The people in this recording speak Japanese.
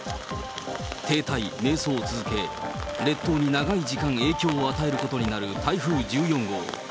停滞、迷走を続け、列島に長い時間影響を与えることになる台風１４号。